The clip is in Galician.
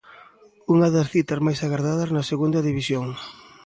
Unha das citas máis agardadas na Segunda División.